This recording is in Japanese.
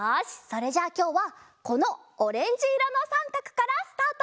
それじゃあきょうはこのオレンジいろのさんかくからスタート！